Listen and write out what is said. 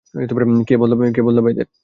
কে বদলাবে এদের?